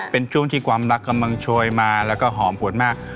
เป็นช่วงที่ความรักกำลังโชยมาแล้วก็หอมหวนมาก